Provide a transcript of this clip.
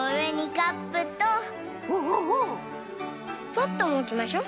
ポットもおきましょう。